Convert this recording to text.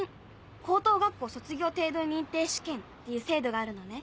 高等学校卒業程度認定試験っていう制度があるのね。